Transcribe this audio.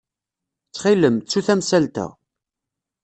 Ttxil-m, ttu tamsalt-a.